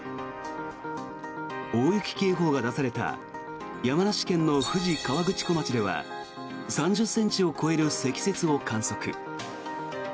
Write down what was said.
大雪警報が出された山梨県の富士河口湖町では３０ｃｍを超える積雪を観測。